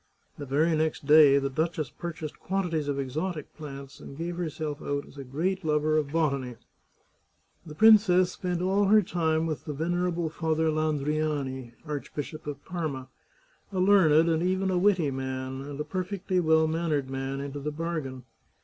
The very next day the duchess purchased quan tities of exotic plants, and gave herself out as a great lover of botany. The princess spent all her time with the venerable Father Landriani, Archbishop of Parma, a learned and even a witty 117 The Chartreuse of Parma man, and a perfectly well mannered man into the bargain.